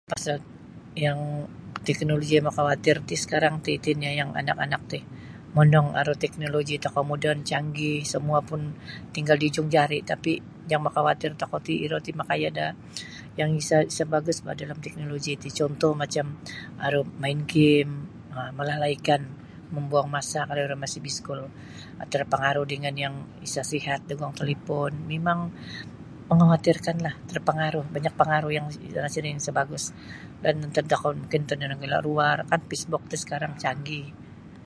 Pasal yang teknoloji makawatir ti sakarang ti iti nio yang anak-anak ti monong aru teknoloji tokou moden canggih samuapun tinggal di hujung jari' tapi' yang makawatir tokou ti iro ti makaaya' da yang sa' isa bagus bah dalam teknoloji ti cuntuh macam aru main game um malalaikan mambuang masa kalau iro masih biskul terpangaruh dengan yang sa' sihat daguang talipon mimang mangawatirkanlah terpengaruh banyak pangaruh yang sa' nini' sa bagus dan antad tokou antad da nagara' luar kan facebook ti sakarang canggih.